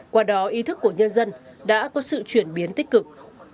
qua đó ý thức của nhân dân đã có sự chuyển biến tích cực